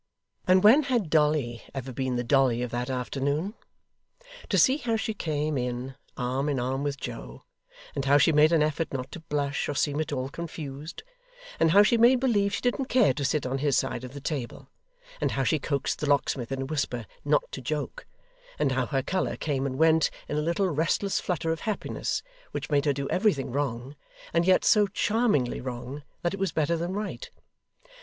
And when had Dolly ever been the Dolly of that afternoon? To see how she came in, arm in arm with Joe; and how she made an effort not to blush or seem at all confused; and how she made believe she didn't care to sit on his side of the table; and how she coaxed the locksmith in a whisper not to joke; and how her colour came and went in a little restless flutter of happiness, which made her do everything wrong, and yet so charmingly wrong that it was better than right!